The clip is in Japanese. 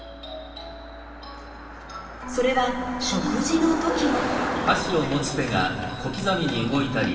それは食事の時も。